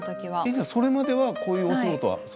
それまでこういうお仕事は？